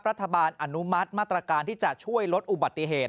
รัฐบาลอนุมัติมาตรการที่จะช่วยลดอุบัติเหตุ